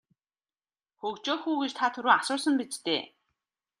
Хөгжөөх үү гэж та түрүүн асуусан биз дээ.